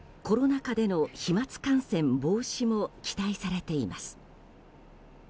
コロナ禍での飛沫感染防止も期待されています。